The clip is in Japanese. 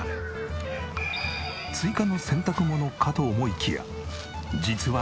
追加の洗濯物かと思いきや実はこれが。